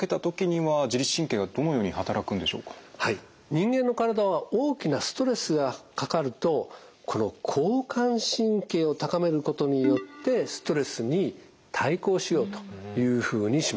人間の体は大きなストレスがかかるとこの交感神経を高めることによってストレスに対抗しようというふうにします。